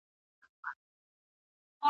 خلګو له ډېرې مودې راهیسې د عدالت غوښتنه کوله.